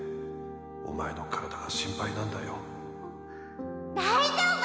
お前の体が心配なんだよ大丈夫！